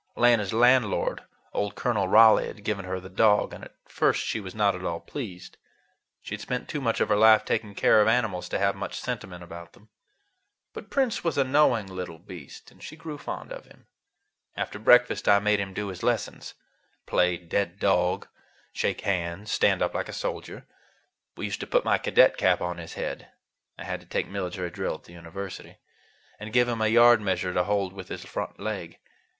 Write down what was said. Lena's landlord, old Colonel Raleigh, had given her the dog, and at first she was not at all pleased. She had spent too much of her life taking care of animals to have much sentiment about them. But Prince was a knowing little beast, and she grew fond of him. After breakfast I made him do his lessons; play dead dog, shake hands, stand up like a soldier. We used to put my cadet cap on his head—I had to take military drill at the University—and give him a yard measure to hold with his front leg.